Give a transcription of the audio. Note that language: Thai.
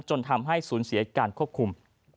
จนทำให้สูญเสียการควบคุม